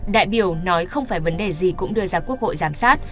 đại biểu nói không phải vấn đề gì cũng đưa ra quốc hội giám sát